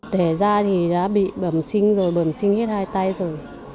đẻ ra thì đã bị bẩm sinh rồi bẩm sinh hết hai tay rồi